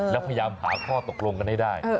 แล้วพยายามหาข้อตกลงกันให้ได้